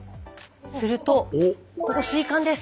するとここ水管です。